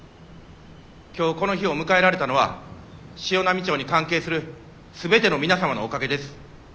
今日この日を迎えられたのは潮波町に関係する全ての皆様のおかげです。